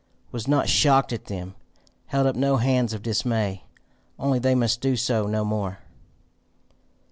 was not shocked at them! held up no hands of dismay! Only they must do so no more.